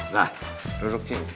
nah duduk sini